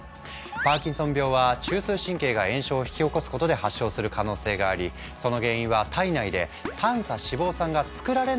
パーキンソン病は中枢神経が炎症を引き起こすことで発症する可能性がありその原因は体内で短鎖脂肪酸が作られないからだと考えられている。